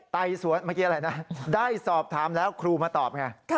ไต่สวนเมื่อกี้อะไรนะได้สอบถามแล้วครูมาตอบไง